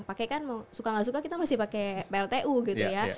pakai kan suka nggak suka kita masih pakai pltu gitu ya